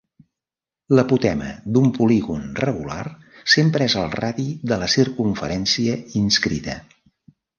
L'apotema d'un polígon regular sempre és el radi de la circumferència inscrita.